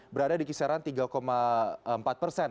berada di kisaran tiga empat persen